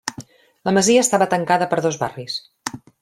La masia estava tancada per dos barris.